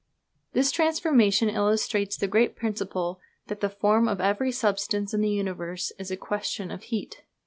This transformation illustrates the great principle that the form of every substance in the universe is a question of heat.